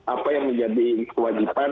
apa yang menjadi kewajiban